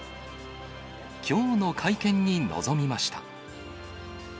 きょうの会見に臨みました。